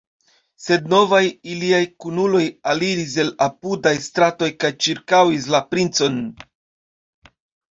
Sed novaj iliaj kunuloj aliris el apudaj stratoj kaj ĉirkaŭis la princon.